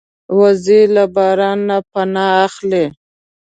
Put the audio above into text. وزې له باران نه پناه اخلي